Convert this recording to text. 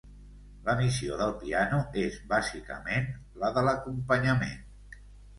La missió del piano és bàsicament la de l'acompanyament.